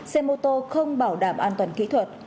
xe mô tô không bảo đảm an toàn kỹ thuật